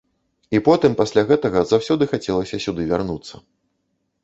І потым пасля гэтага заўсёды хацелася сюды вярнуцца.